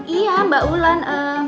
iya mbak wulan